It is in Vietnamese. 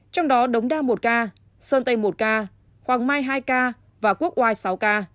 trong đó đống đa một ca sơn tây một ca hoàng mai hai ca và quốc oai sáu ca